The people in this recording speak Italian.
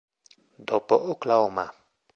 Dopo "Oklahoma!